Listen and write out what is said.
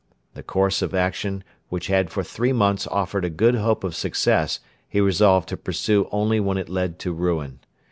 The course of action which had for three months offered a good hope of success he resolved to pursue only when it led to ruin.